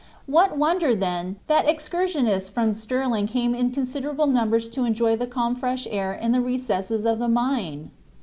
What wonder then, that excursionists from Stirling came in considerable numbers to enjoy the calm fresh air in the recesses of the mine?